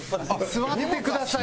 「座ってください」